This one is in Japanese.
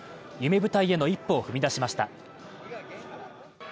夢舞台への一歩を踏み出しました。